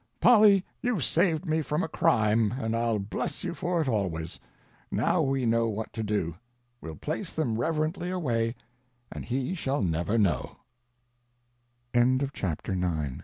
Polly, you've saved me from a crime, and I'll bless you for it always. Now we know what to do. We'll place them reverently away, and he shall